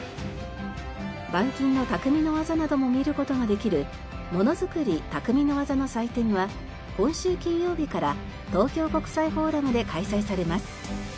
板金の匠の技なども見る事ができるものづくり・匠の技の祭典は今週金曜日から東京国際フォーラムで開催されます。